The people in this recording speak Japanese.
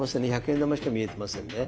１００円玉しか見えてませんね。